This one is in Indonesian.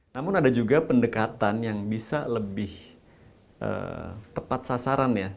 namun ada juga pendekatan yang bisa lebih tepat sasaran ya